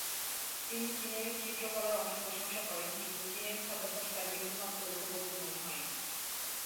তিনি চীনের চিত্রকলার অনেক প্রশংসা করেন কিন্তু চীনের খাদ্যাভ্যাস তার বিন্দুমাত্র উপভোগ্য মনে হয়নি।